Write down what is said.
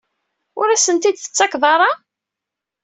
Ur asent-t-id-tettakeḍ ara?